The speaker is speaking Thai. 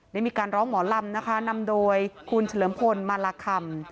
ได้มีการร้องหมอลำนะคะนำโดยคุณเฉลิมพลมาลาคำ